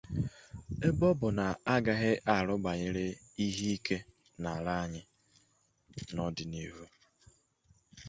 ndị omebe iwu steeti ahụ